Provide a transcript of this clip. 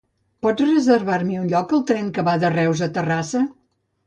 Pots reservar-m'hi un lloc al tren que va de Reus a Terrassa?